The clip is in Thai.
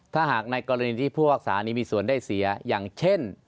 ถ้าหากในกรณีที่ผู้รักษานี้มีส่วนได้เสียอย่างเช่น